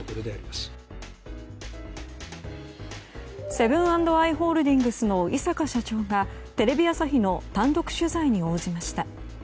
セブン＆アイ・ホールディングスの井阪社長がテレビ朝日の単独取材に応じました。